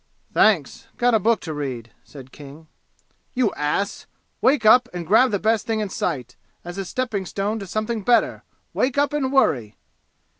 "Thanks got a book to read," said King. "You ass! Wake up and grab the best thing in sight, as a stepping stone to something better! Wake up and worry!"